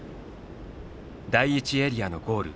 第１エリアのゴール